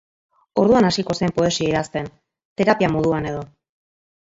Orduan hasiko zen poesia idazten, terapia moduan edo.